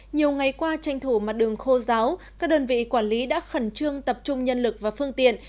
nhiều ngày qua tranh thủ mặt đường khô giáo các đơn vị quản lý đã khẩn trương tập trung nhân lực và phương tiện